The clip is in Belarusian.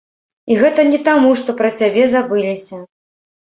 І гэта не таму, што пра цябе забыліся.